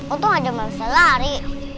untung ada mami yang bisa lari